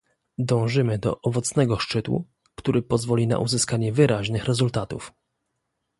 Dążymy do owocnego szczytu, który pozwoli na uzyskanie wyraźnych rezultatów